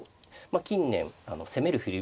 あ近年攻める振り